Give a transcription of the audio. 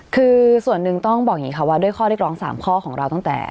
คือส่วนหนึ่งต้องบอกอย่างนี้ค่ะว่าด้วยข้อเรียกร้อง๓ข้อของเราตั้งแต่